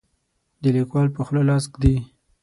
د لیکوال په خوله لاس ږدي.